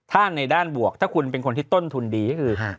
ถ้าในด้านบวกถ้าคุณเป็นคนที่ต้นทุนดีก็คือ